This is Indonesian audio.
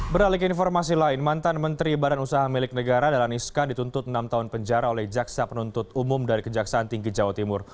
beralik informasi lain mantan menteri badan usaha milik negara dahlan iskan dituntut enam tahun penjara oleh jaksa penuntut umum dari kejaksaan tinggi jawa timur